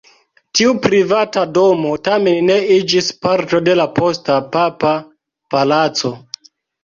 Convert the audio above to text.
Tiu privata domo tamen ne iĝis parto de la posta papa palaco.